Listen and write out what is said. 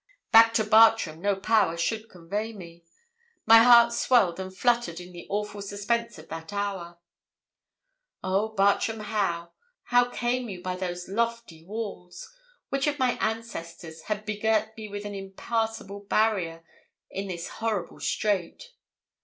Back to Bartram no power should convey me. My heart swelled and fluttered in the awful suspense of that hour. Oh, Bartram Haugh! how came you by those lofty walls? Which of my ancestors had begirt me with an impassable barrier in this horrible strait?